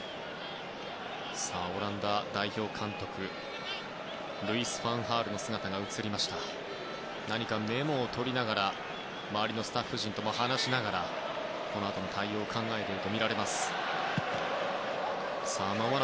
オランダ代表監督ルイス・ファンハールですが何かメモを取りながら周りのスタッフ陣とも話しながら、このあとの対応を考えているとみられます。